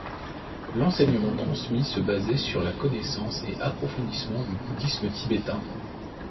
L'enseignement transmis se basait, sur la connaissance et approfondissement du bouddhisme tibétain.